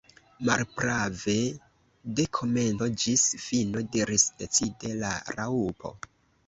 "Malprave, de komenco ĝis fino," diris decide la Raŭpo.